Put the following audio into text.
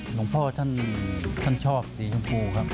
หลวงพ่อท่านชอบสีชมพูครับ